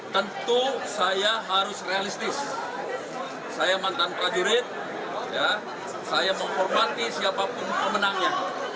tentu saya harus realistis saya mantan prajurit saya menghormati siapapun pemenangnya